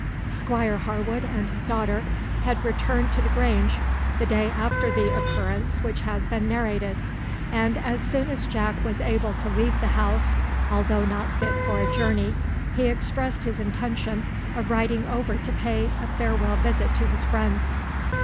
Squire Harwood and his daughter had returned to the Grange the day after the occurrence which has been narrated; and as soon as Jack was able to leave the house, although not fit for a journey, he expressed his intention of riding over to pay a farewell visit to his friends.